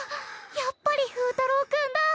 やっぱり風太郎君だ！